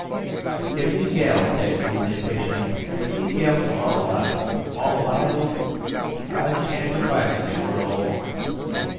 "If these gals," said Gould impatiently—"if these gals were all alive (all alive O!) I'd chance a fiver they were all born."